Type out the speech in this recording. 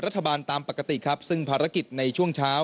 ตามปกติครับซึ่งภารกิจในช่วงเช้า